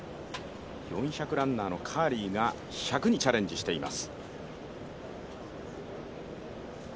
４００ランナーのカーリーが１００にチャレンジしています。